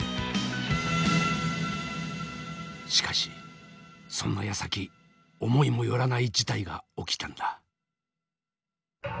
しかしそんなやさき思いも寄らない事態が起きたんだ。